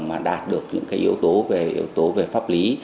mà đạt được những cái yếu tố về pháp lý